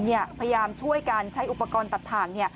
พยายามช่วยกันใช้อุปกรณ์ตัดทาง